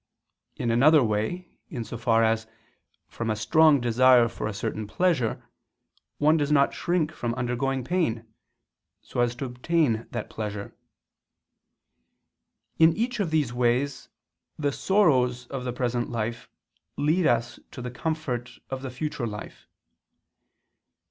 In another way, in so far as, from a strong desire for a certain pleasure, one does not shrink from undergoing pain, so as to obtain that pleasure. In each of these ways, the sorrows of the present life lead us to the comfort of the future life.